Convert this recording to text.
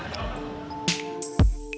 jangan lagi ya pak